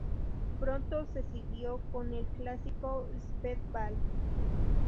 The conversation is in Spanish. Pronto le siguió con el clásico Speedball.